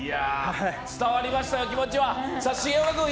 伝わりましたよ、気持ちは。